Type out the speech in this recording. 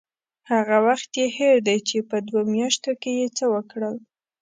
هغه وخت یې هېر دی چې په دوو میاشتو کې یې څه وکړل.